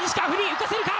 行かせるか。